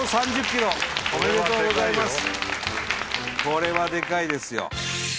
これはでかいですよ